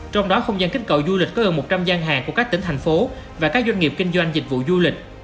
trong đó không gian kích cầu du lịch có gần một trăm linh gian hàng của các tỉnh thành phố và các doanh nghiệp kinh doanh dịch vụ du lịch